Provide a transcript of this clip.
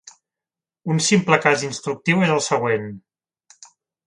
Un simple cas instructiu és el següent.